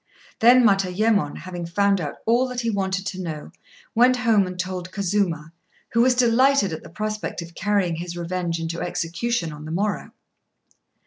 Then Matayémon, having found out all that he wanted to know, went home and told Kazuma, who was delighted at the prospect of carrying his revenge into execution on the morrow.